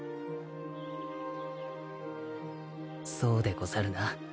そうでござるな。